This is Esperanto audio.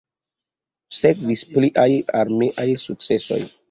Sekvis pliaj armeaj sukcesoj.